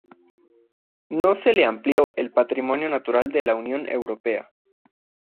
No se amplió el patrimonio natural de la Unión Europea.